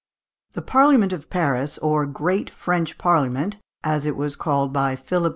The Parliament of Paris or Great French Parliament, as it was called by Philip V.